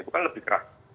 itu kan lebih keras